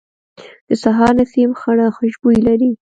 د سهار نسیم خړه خوشبويي لري